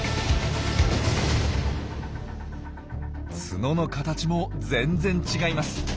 角の形も全然違います。